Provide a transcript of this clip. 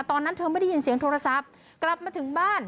ตอนนั้นเธอไม่ได้ยินเสียงโทรศัพท์กลับมาถึงบ้าน